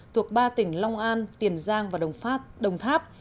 thuộc ba tỉnh long an tiền giang và đồng tháp